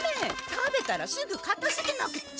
食べたらすぐかたづけなくっちゃ。